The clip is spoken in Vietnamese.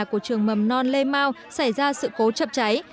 của trường mầm non lê mau xảy ra sự cố chập cháy